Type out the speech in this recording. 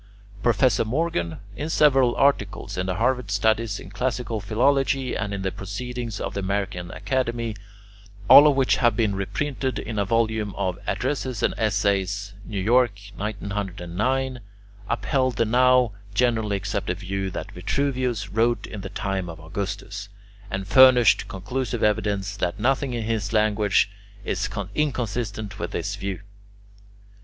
Professor Morgan, in several articles in the Harvard Studies in Classical Philology, and in the Proceedings of the American Academy, all of which have been reprinted in a volume of Addresses and Essays (New York, 1909), upheld the now generally accepted view that Vitruvius wrote in the time of Augustus, and furnished conclusive evidence that nothing in his language is inconsistent with this view.